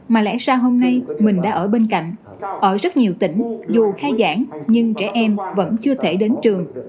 mà lẽ ra hôm nay mình đã ở bên cạnh ở rất nhiều tỉnh dù khai giảng nhưng trẻ em vẫn chưa thể đến trường